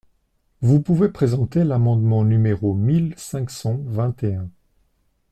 Vous pouvez présenter l’amendement numéro mille cinq cent vingt et un.